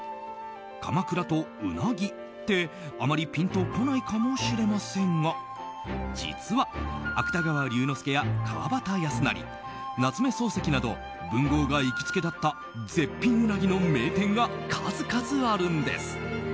鎌倉とウナギって、あまりピンと来ないかもしれませんが実は芥川龍之介や川端康成夏目漱石など文豪が行きつけだった絶品ウナギの名店が数々あるんです。